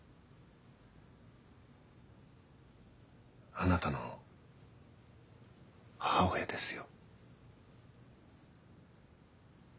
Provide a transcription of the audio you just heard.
あなたの母親ですよ。